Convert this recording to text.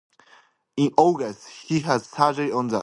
In August, he had surgery on the flexor tendon in his right elbow.